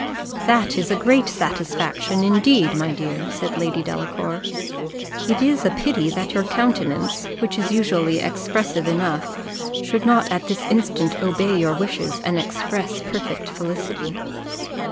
"That is a great satisfaction, indeed, my dear," said Lady Delacour. "It is a pity that your countenance, which is usually expressive enough, should not at this instant obey your wishes and express perfect felicity.